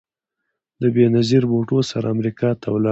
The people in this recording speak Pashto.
له بېنظیر بوټو سره امریکا ته ولاړ